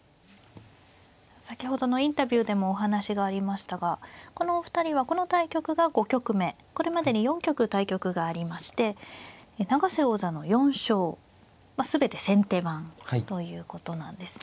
先ほどのインタビューでもお話がありましたがこのお二人はこの対局が５局目これまでに４局対局がありまして永瀬王座の４勝全て先手番ということなんですね。